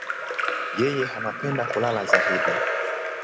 Yeye anapenda kulala zaidi.